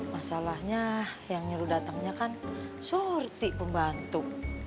masalahnya yang nyuruh datangnya kan sorti pembantu